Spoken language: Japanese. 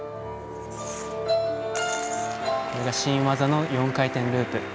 新技の４回転ループ。